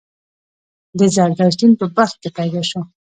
د زردشت دین په بلخ کې پیدا شو